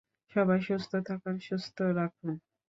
সবাই সুস্থ থাকুন, সুস্থ রাখুন।